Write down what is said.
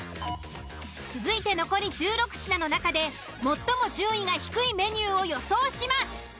続いて残り１６品の中で最も順位が低いメニューを予想します。